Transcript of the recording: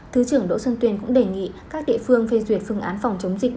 thứ trưởng đỗ xuân tuyên cũng đề nghị các địa phương phê duyệt phương án phòng chống dịch